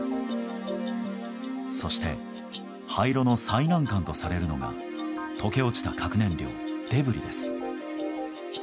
そして廃炉の最難関とされるのが溶け落ちた核燃料、デブリです。